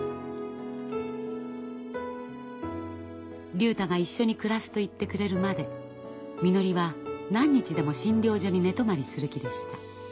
竜太が一緒に暮らすと言ってくれるまでみのりは何日でも診療所に寝泊まりする気でした。